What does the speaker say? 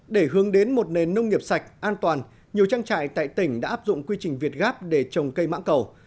để hướng đến một nền nông nghiệp sạch an toàn nhiều trang trại tại tỉnh đã áp dụng quy trình việt gáp để trồng cây mắng cầu